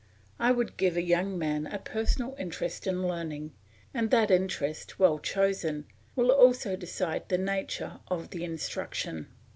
I would give a young man a personal interest in learning, and that interest, well chosen, will also decide the nature of the instruction.